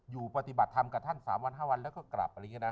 อยู่ปฏิบัติธรรมกับท่าน๓๕วันแล้วก็กลับ